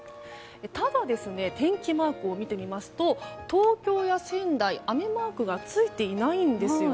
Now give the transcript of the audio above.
ただ、天気マークを見てみますと東京や仙台雨マークがついていないんです。